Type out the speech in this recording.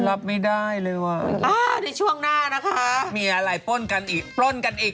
รับไม่ได้เลยว่ะอ่าในช่วงหน้านะคะมีอะไรปล้นกันอีกปล้นกันอีก